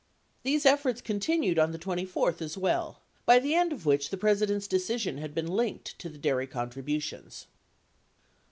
These efforts continued on the 24th as well, by the end of which the President's decision had been linked to the dairy contributions.